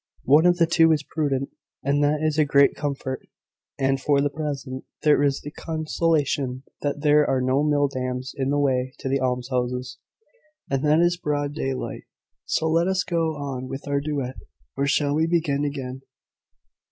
One of the two is prudent; and that is a great comfort. And, for the present, there is the consolation that there are no mill dams in the way to the almshouses, and that it is broad daylight. So let us go on with our duet, or shall we begin again?"